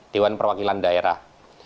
dewan perwakilan daerah